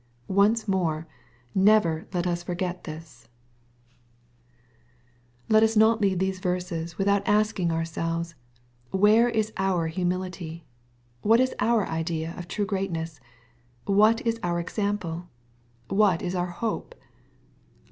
Once more, never let us forget this 1 MATTHEW, CHAP. XX, 259 Let us not leave these verses without asking ourselves, where is our humility? what is our idea of true greatness? what is our example ? what is our hope?